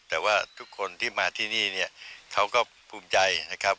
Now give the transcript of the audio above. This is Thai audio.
แต่ว่าทุกคนที่มาที่นี่เนี่ยเขาก็ภูมิใจนะครับ